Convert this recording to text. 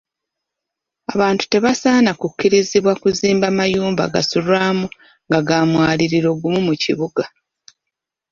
Abantu tebasaana kukkirizibwa kuzimba mayumba gasulwamu nga ga mwaliiro gumu mu kibuga.